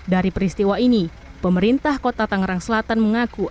dari peristiwa ini pemerintah kota tangerang selatan mengaku